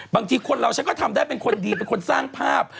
บางทีคนเราฉันก็ทำได้เป็นคนดีเป็นคนสร้างภาพ